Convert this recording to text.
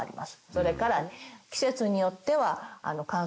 それから季節によっては。